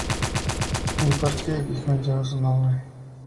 Un parque de Gijón lleva su nombre.